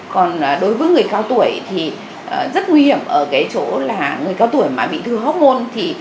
còn đối với người cao tuổi thì rất nguy hiểm ở cái chỗ là người cao tuổi mà bị thừa hốc môn